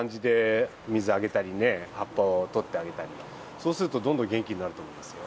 そうするとどんどん元気になると思いますよ。